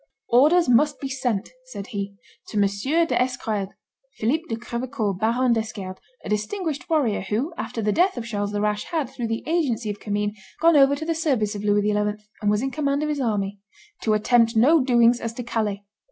"Orders must be sent," said he, "to M. d'Esquerdes [Philip de Crevecoeur, Baron d'Esquerdes, a distinguished warrior, who, after the death of Charles the Rash, had, through the agency of Commynes, gone over to the service of Louis XI., and was in command of his army] to attempt no doings as to Calais.